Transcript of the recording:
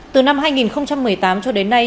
từ năm hai nghìn một mươi tám cho đến nay